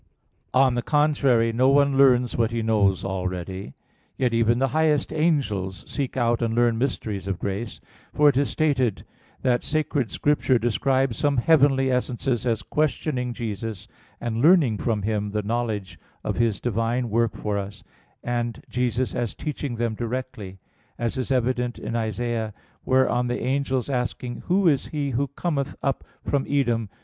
On the contrary, No one learns what he knows already. Yet even the highest angels seek out and learn mysteries of grace. For it is stated (Coel. Hier. vii) that "Sacred Scripture describes some heavenly essences as questioning Jesus, and learning from Him the knowledge of His Divine work for us; and Jesus as teaching them directly": as is evident in Isa. 63:1, where, on the angels asking, "Who is he who cometh up from Edom?"